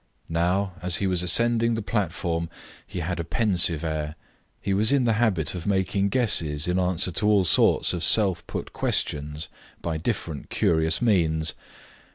Now, as he was ascending the platform, he had a pensive air. He was in the habit of making guesses in answer to all sorts of self put questions by different curious means.